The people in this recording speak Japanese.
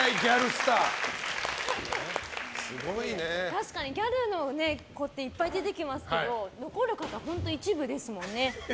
確かにギャルの子っていっぱい出てきますけど残る方、本当に一部ですもんね。